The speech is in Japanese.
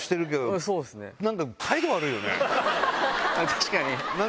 確かに。